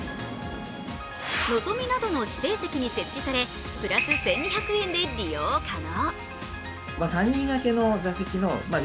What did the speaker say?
のぞみなどの指定席に設置され、プラス１２００円で利用可能。